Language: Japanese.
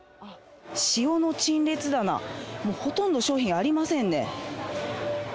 塩の陳列棚、もうほとんど商品ありませんね。